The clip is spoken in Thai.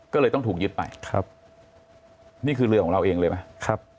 ก็เลยต้องถูกยึดไปครับนี่คือเรือของเราเองเลยไหมครับ